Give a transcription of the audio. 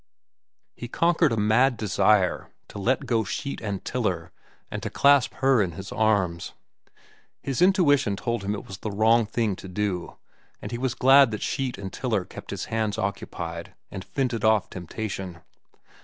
He conquered a mad desire to let go sheet and tiller and to clasp her in his arms. His intuition told him it was the wrong thing to do, and he was glad that sheet and tiller kept his hands occupied and fended off temptation.